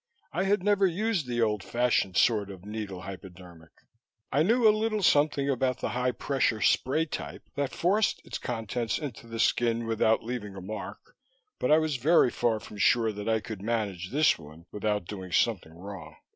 I had never used the old fashioned sort of needle hypodermic; I knew a little something about the high pressure spray type that forced its contents into the skin without leaving a mark, but I was very far from sure that I could manage this one without doing something wrong.